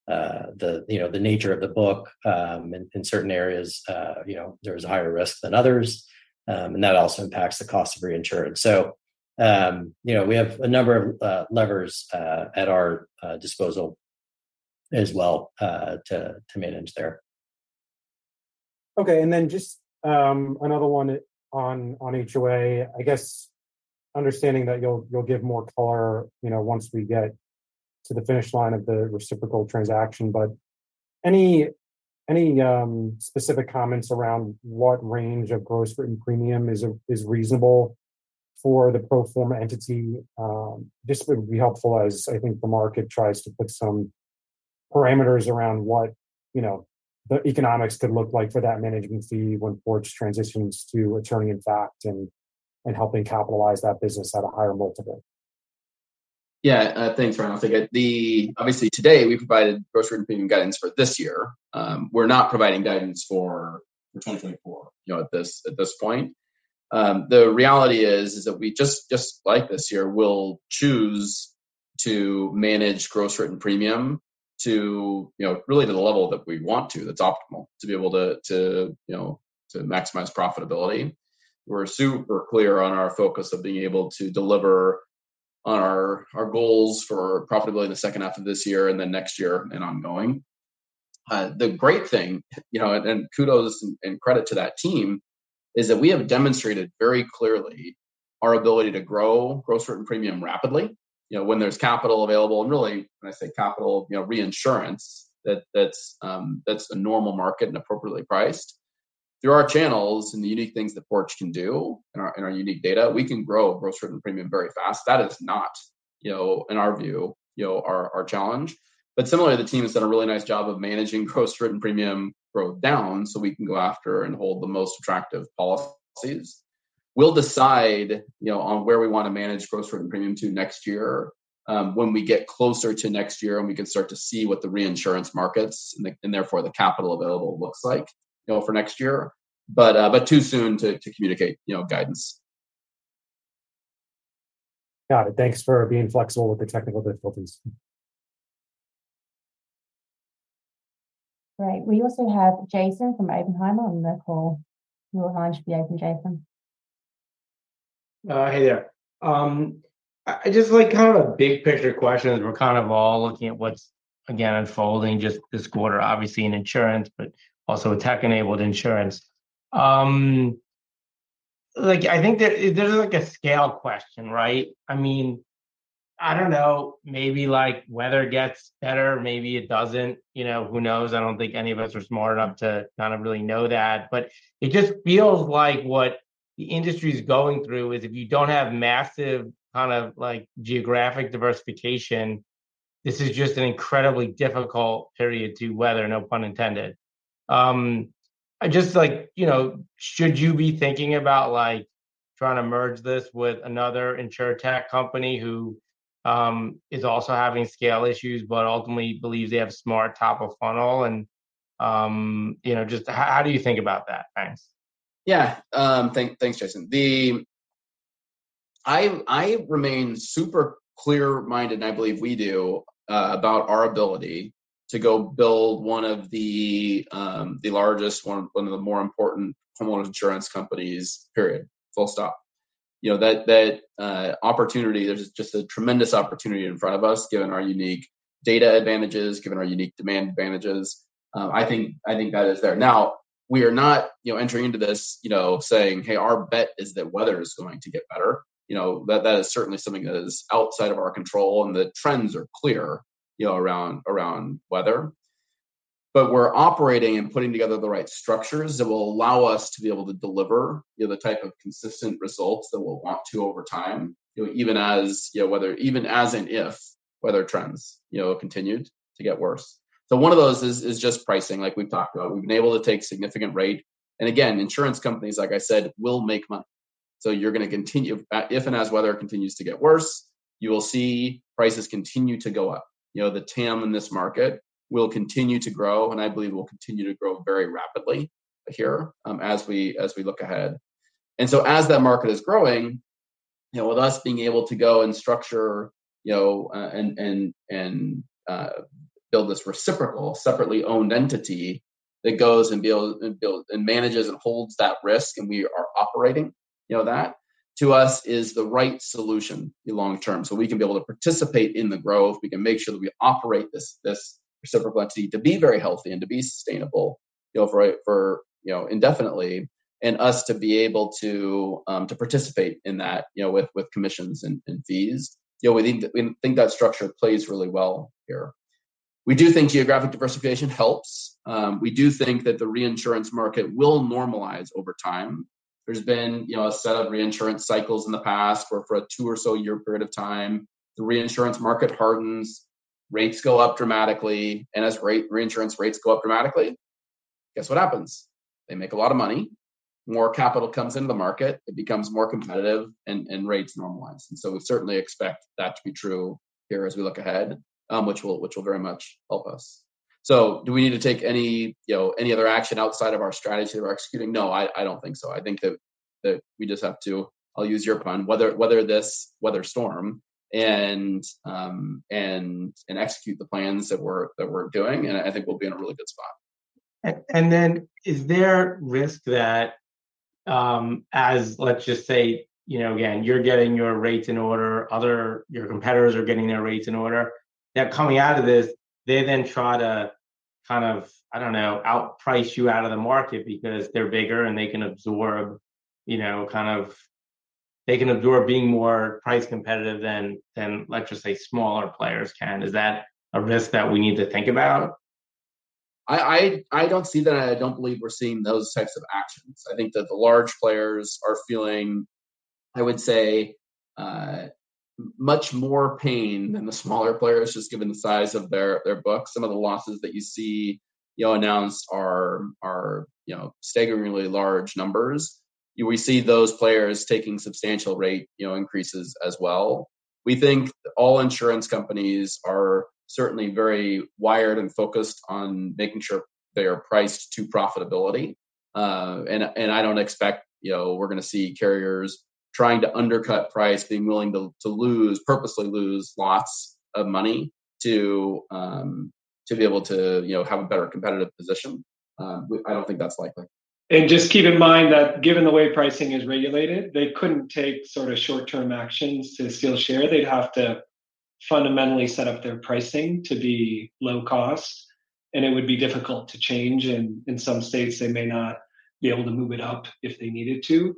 the, you know, the nature of the book. In certain areas, you know, there's a higher risk than others, and that also impacts the cost of reinsurance. You know, we have a number of levers at our disposal as well to manage there. Okay, then just another one on HOA. I guess, understanding that you'll, you'll give more color, you know, once we get to the finish line of the reciprocal transaction, any, any specific comments around what range of gross written premium is, is reasonable for the pro forma entity? This would be helpful as I think the market tries to put some parameters around what, you know, the economics could look like for that management fee when Porch transitions to attorney-in-fact, and, and helping capitalize that business at a higher multiple. Yeah, thanks, Ryan. I think obviously today, we provided gross written premium guidance for this year. We're not providing guidance for 2024, you know, at this point. The reality is, is that we just, just like this year, we'll choose to manage gross written premium to, you know, really to the level that we want to, that's optimal, to be able to, to, you know, to maximize profitability. We're super clear on our focus of being able to deliver on our, our goals for profitability in the second half of this year, and then next year, and ongoing. The great thing, you know, and, and kudos and, and credit to that team, is that we have demonstrated very clearly our ability to grow gross written premium rapidly. You know, when there's capital available, and really, when I say capital, you know, reinsurance, that's a normal market and appropriately priced. Through our channels and the unique things that Porch can do, and our, and our unique data, we can grow gross written premium very fast. That is not, you know, in our view, you know, our, our challenge. But similarly, the team has done a really nice job of managing gross written premium growth down, so we can go after and hold the most attractive policies. We'll decide, you know, on where we want to manage gross written premium to next year, when we get closer to next year, and we can start to see what the reinsurance markets and therefore, the capital available looks like, you know, for next year. Too soon to communicate, you know, guidance. Got it. Thanks for being flexible with the technical difficulties. Great. We also have Jason from Oppenheimer on the call. Your line should be open, Jason. Hey there. I just like kind of a big picture question. We're kind of all looking at what's, again, unfolding just this quarter, obviously in insurance, but also tech-enabled insurance. Like, I think there, there's, like, a scale question, right? I mean, I don't know, maybe, like, weather gets better, maybe it doesn't, you know, who knows? I don't think any of us are smart enough to kind of really know that, but it just feels like what the industry's going through is, if you don't have massive, kind of like, geographic diversification, this is just an incredibly difficult period to weather, no pun intended. I just like, you know, should you be thinking about, like, trying to merge this with another InsurTech company who is also having scale issues, but ultimately believes they have smart top of funnel and, you know, just how, how do you think about that? Thanks. Yeah, thank, thanks, Jason. I, I remain super clear-minded, and I believe we do, about our ability to go build one of the largest, one of, one of the more important home insurance companies, period. Full stop. You know, that, that opportunity, there's just a tremendous opportunity in front of us, given our unique data advantages, given our unique demand advantages. I think, I think that is there. Now, we are not, you know, entering into this, you know, saying, "Hey, our bet is that weather is going to get better." You know, that, that is certainly something that is outside of our control, and the trends are clear, you know, around, around weather. We're operating and putting together the right structures that will allow us to be able to deliver, you know, the type of consistent results that we'll want to over time, you know, even as, you know, whether even as and if weather trends, you know, continued to get worse. One of those is, is just pricing, like we've talked about. We've been able to take significant rate. Again, insurance companies, like I said, will make money. You're gonna continue. If and as weather continues to get worse, you will see prices continue to go up. You know, the TAM in this market will continue to grow, and I believe will continue to grow very rapidly here, as we, as we look ahead. As that market is growing, you know, with us being able to go and structure, you know, and build this reciprocal, separately owned entity that goes and manages and holds that risk, and we are operating, you know, that to us is the right solution in long term. We can be able to participate in the growth, we can make sure that we operate this, this reciprocal entity to be very healthy and to be sustainable, you know, for, for, you know, indefinitely. Us to be able to, to participate in that, you know, with, with commissions and, and fees. You know, we think, we think that structure plays really well here. We do think geographic diversification helps. We do think that the reinsurance market will normalize over time. There's been, you know, a set of reinsurance cycles in the past, where for a 2 or so year period of time, the reinsurance market hardens, rates go up dramatically, and as rate- reinsurance rates go up dramatically, guess what happens? They make a lot of money, more capital comes into the market, it becomes more competitive, and, and rates normalize. So we certainly expect that to be true here as we look ahead, which will, which will very much help us. Do we need to take any, you know, any other action outside of our strategy that we're executing? No, I, I don't think so. I think that, that we just have to... I'll use your pun, weather, weather this weather storm, and, and, and execute the plans that we're, that we're doing, and I think we'll be in a really good spot. Then is there risk that, as let's just say, you know, again, you're getting your rates in order, your competitors are getting their rates in order, that coming out of this, they then try to kind of, I don't know, outprice you out of the market because they're bigger and they can absorb, you know, kind of they can absorb being more price competitive than, than, let's just say, smaller players can? Is that a risk that we need to think about? I don't see that. I don't believe we're seeing those types of actions. I think that the large players are feeling, I would say, much more pain than the smaller players, just given the size of their, their books. Some of the losses that you see, you know, announced are, you know, staggeringly large numbers. We see those players taking substantial rate, you know, increases as well. We think all insurance companies are certainly very wired and focused on making sure they are priced to profitability. I don't expect, you know, we're gonna see carriers trying to undercut price, being willing to lose, purposely lose lots of money to be able to, you know, have a better competitive position. I don't think that's likely. Just keep in mind that given the way pricing is regulated, they couldn't take sort of short-term actions to steal share. They'd have to fundamentally set up their pricing to be low cost, and it would be difficult to change, and in some states, they may not be able to move it up if they needed to.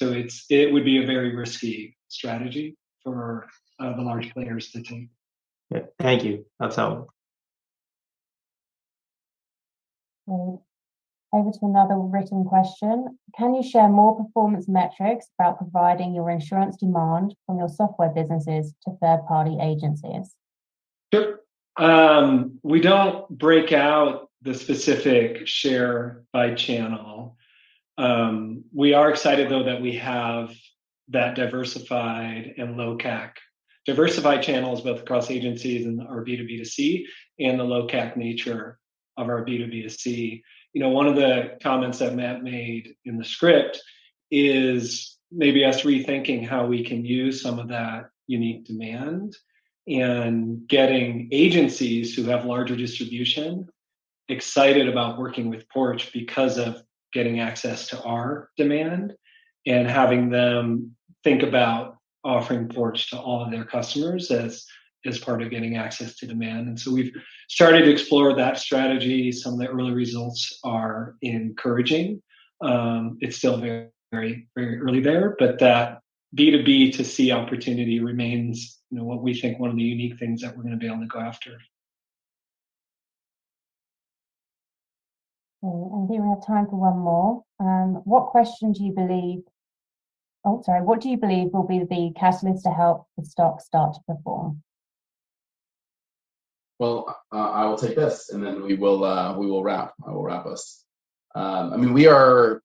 It's. It would be a very risky strategy for the large players to take. Thank you. That's helpful. Over to another written question: Can you share more performance metrics about providing your insurance demand from your software businesses to third-party agencies? Sure. We don't break out the specific share by channel. We are excited, though, that we have that diversified and low CAC... diversified channels, both across agencies and our B2B2C, and the low CAC nature of our B2B2C. You know, one of the comments that Matt made in the script is maybe us rethinking how we can use some of that unique demand, and getting agencies who have larger distribution excited about working with Porch because of getting access to our demand, and having them think about offering Porch to all of their customers as, as part of getting access to demand. So we've started to explore that strategy. Some of the early results are encouraging. It's still very, very early there, but that B2B2C opportunity remains, you know, what we think one of the unique things that we're going to be able to go after. Okay, I think we have time for one more. What do you believe will be the catalyst to help the stock start to perform? Well, I will take this, we will, we will wrap, I will wrap us. I mean, we are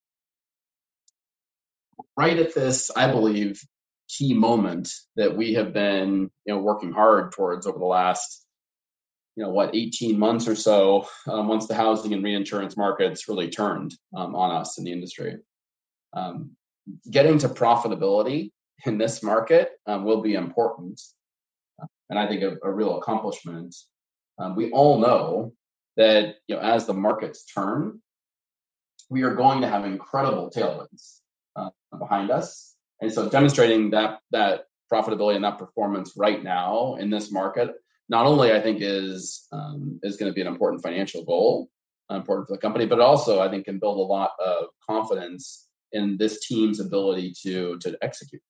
right at this, I believe, key moment that we have been, you know, working hard towards over the last, you know what, 18 months or so, once the housing and reinsurance markets really turned on us in the industry.... Getting to profitability in this market will be important, I think a, a real accomplishment. We all know that, you know, as the markets turn, we are going to have incredible tailwinds behind us. Demonstrating that, that profitability and that performance right now in this market, not only I think is, is gonna be an important financial goal, important for the company, but also I think can build a lot of confidence in this team's ability to, to execute.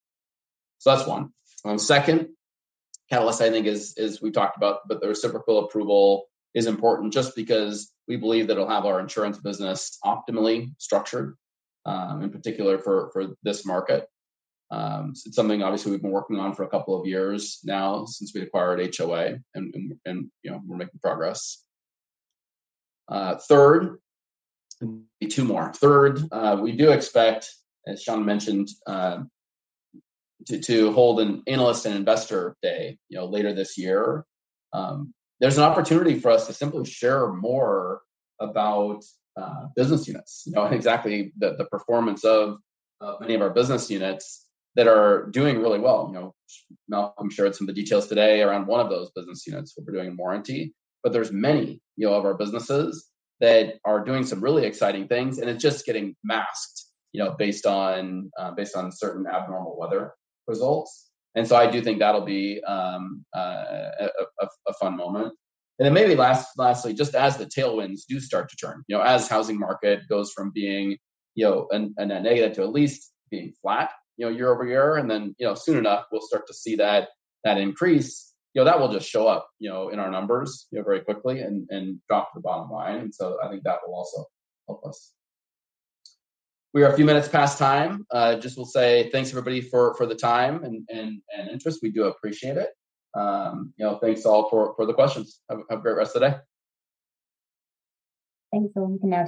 Second catalyst, I think is, is we've talked about, but the reciprocal approval is important just because we believe that it'll have our insurance business optimally structured in particular for, for this market. It's something obviously we've been working on for a couple of years now since we acquired HOA, and, and, and, you know, we're making progress. Third, two more. Third, we do expect, as Shawn mentioned, to, to hold an analyst and Investor Day, you know, later this year. There's an opportunity for us to simply share more about business units. You know, exactly the performance of many of our business units that are doing really well. You know, I'm sure some of the details today around one of those business units where we're doing warranty, but there's many, you know, of our businesses that are doing some really exciting things, and it's just getting masked, you know, based on certain abnormal weather results. So I do think that'll be a fun moment. Then maybe lastly, just as the tailwinds do start to turn, you know, as housing market goes from being, you know, a negative to at least being flat, you know, year-over-year, and then, you know, soon enough, we'll start to see that, that increase. You know, that will just show up, you know, in our numbers, you know, very quickly and, and drop the bottom line, and so I think that will also help us. We are a few minutes past time. Just will say thanks everybody for, for the time and, and, and interest. We do appreciate it. You know, thanks all for, for the questions. Have a, have a great rest of the day. Thanks, everyone. Good night.